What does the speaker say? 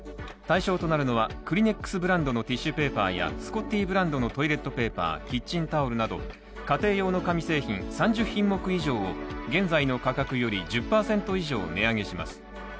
対象となるのは、クリネックスブランドのティッシュペーパーやスコッティブランドのトイレットペーパー、キッチンタオルなど家庭用の紙製品３０品目以上を、現在の価格より１０％以上値上げします。